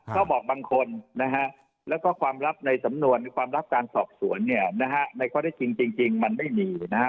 ก็บอกบางคนนะฮะแล้วก็ความลับในสำนวนความลับการสอบสวนเนี่ยนะฮะในข้อได้จริงมันไม่มีนะฮะ